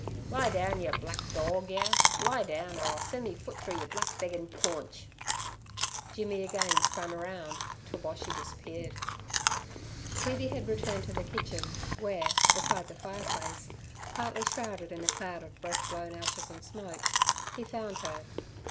'Lie down, yer black dorg yer, lie down, or I'll sen' me foot through yer black beggin' paunch!' Jimmy again spun round, till Boshy disappeared. Queeby had returned to the kitchen, where, beside the fireplace, partly shrouded in a cloud of breath blown ashes and smoke, he found her.